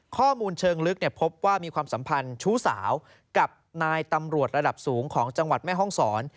ข้อมูลเชิงลึกพบว่ามีความสัมพันธ์ชู้สาวกับนายตำรวจระดับสูงของจังหวัดแม่ห้องศร